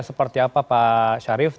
seperti apa pak syarif